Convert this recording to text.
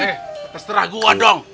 eh terserah gua dong